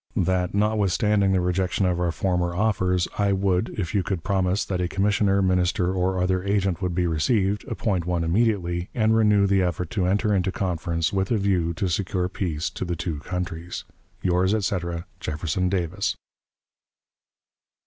That, notwithstanding the rejection of our former offers, I would, if you could promise that a commissioner, minister, or other agent would be received, appoint one immediately, and renew the effort to enter into conference with a view to secure peace to the two countries. "Yours, etc., JEFFERSON DAVIS."